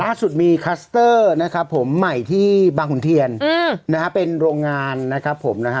ล่าสุดมีคลัสเตอร์นะครับผมใหม่ที่บางขุนเทียนนะฮะเป็นโรงงานนะครับผมนะฮะ